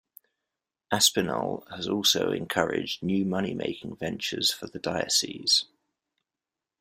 Aspinall has also encouraged new money-making ventures for the diocese.